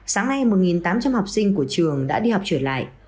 sáng nay một tám trăm linh học sinh của trường đã đi học trở lại